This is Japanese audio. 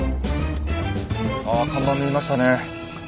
あ看板見えましたね。